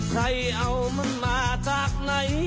ใครเอามันมาจากไหน